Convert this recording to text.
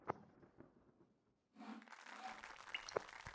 কিন্তু তারা ব্যাপারটি জটিল করাতে তাদের কাছে এটা জটিল আকার ধারণ করেছিল।